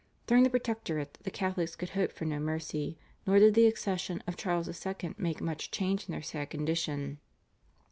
During the Protectorate the Catholics could hope for no mercy, nor did the accession of Charles II. make much change in their sad condition.